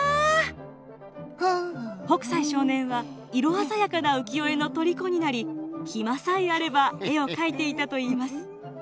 北斎少年は色鮮やかな浮世絵のとりこになり暇さえあれば絵を描いていたといいます。